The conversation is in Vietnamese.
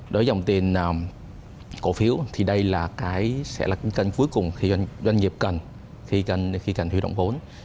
đối với dòng tiền cổ phiếu thì đây là cái sẽ là cái kênh cuối cùng khi doanh nghiệp cần khi cần huy động vốn